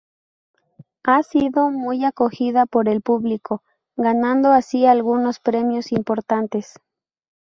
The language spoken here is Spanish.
Ha sido muy acogida por el público, ganando así algunos premios importantes.